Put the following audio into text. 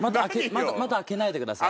まだ開けないでください。